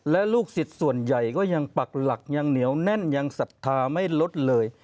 และลูกศิษย์ส่วนใหญ่ก็ยังปักหลักยังเหนียวแน่นยังศรัทธาไม่ลดเลย